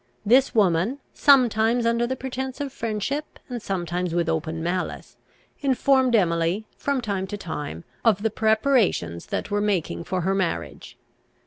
This woman, sometimes under the pretence of friendship, and sometimes with open malice, informed Emily, from time to time, of the preparations that were making for her marriage.